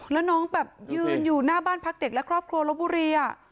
แล้วน้องแบบยืนอยู่หน้าบ้านพักเด็กและครอบครัวลบบุรี